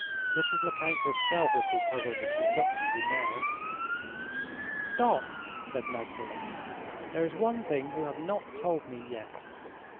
Mrs. Lecount herself would be puzzled if she looked at you now." "Stop!" said Magdalen. "There is one thing you have not told me yet.